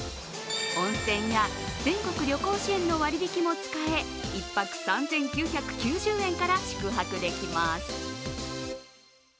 温泉や全国旅行支援の割り引きも使え１泊３９９０円から宿泊できます。